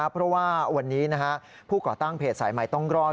เพราะว่าวันนี้ผู้ก่อตั้งเพจสายใหม่ต้องรอด